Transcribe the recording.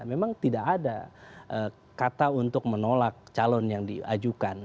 memang tidak ada kata untuk menolak calon yang diajukan